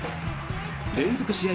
連続試合